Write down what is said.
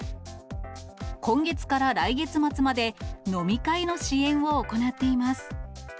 今月から来月末まで、飲み会の支援を行っています。